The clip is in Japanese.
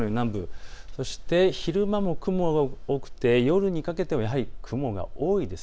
そして昼間も雲が多く夜にかけても雲が多いです。